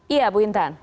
iya bu intan